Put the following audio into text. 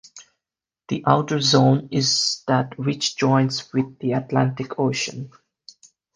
The outer zone is that which joins with the Atlantic Ocean.